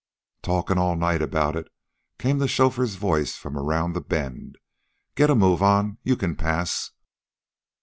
"Talkin' all night about it?" came the chauffeur's voice from around the bend. "Get a move on. You can pass."